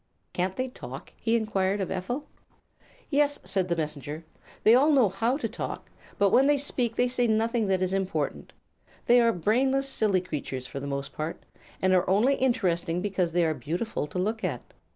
"Can't they talk?" he enquired of Ephel. "Yes," said the Messenger, "they all know how to talk, but when they speak they say nothing that is important. They are brainless, silly creatures, for the most part, and are only interesting because they are beautiful to look at.